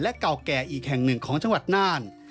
เก่าแก่อีกแห่งหนึ่งของจังหวัดน่าน